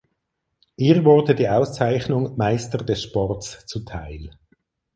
Ihr wurde die Auszeichnung „Meister des Sports“ zuteil.